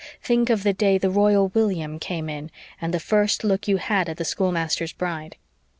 Think of the day the Royal William came in and the first look you had at the schoolmaster's bride."